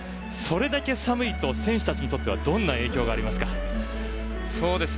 それだけ寒いと選手たちにとってはどんな影響がありますか？